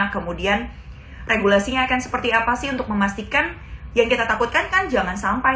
kemudian regulasinya akan seperti apa sih untuk memastikan yang kita takutkan kan jangan sampai